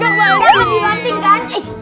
jangan dibanting kan